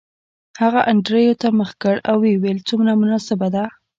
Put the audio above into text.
هغه انډریو ته مخ کړ او ویې ویل څومره مناسبه ده